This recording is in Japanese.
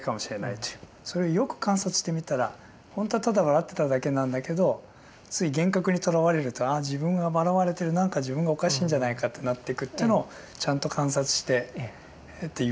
それをよく観察してみたらほんとはただ笑ってただけなんだけどつい幻覚にとらわれるとああ自分が笑われてる何か自分がおかしいんじゃないかってなっていくっていうのをちゃんと観察してという。